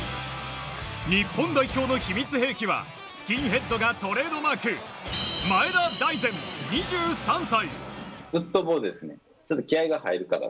日本代表の秘密兵器はスキンヘッドがトレードマーク前田大然、２３歳。